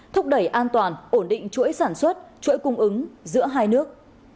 thúc đẩy an toàn ổn định chuỗi sản xuất chuỗi cung ứng giữa hai nước